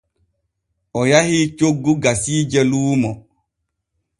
O yahi coggu gasiije luumo.